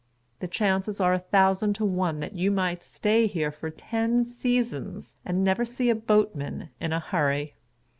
The chances are a thousand to one that you might stay here for ten seasons, and never see a boatman in a hurry.